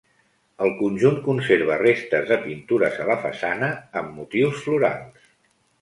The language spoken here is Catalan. El conjunt conserva restes de pintures a la façana, amb motius florals.